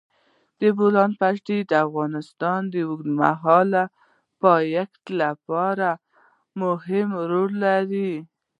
د بولان پټي د افغانستان د اوږدمهاله پایښت لپاره مهم رول لري.